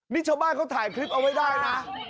นี่ชาวบ้านเขาถ่ายคลิปเอาไว้ได้นะ